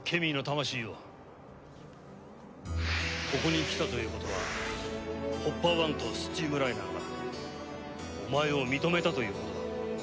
ここに来たということはホッパー１とスチームライナーがお前を認めたということだ。